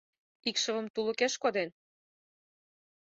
— Икшывым тулыкеш коден?